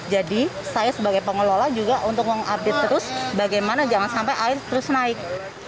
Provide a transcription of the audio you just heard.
jadi saya sebagai pengelola juga untuk mengupdate terus bagaimana jangan sampai air terus naik